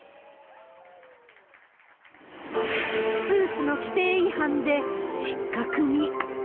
スーツの規定違反で失格に。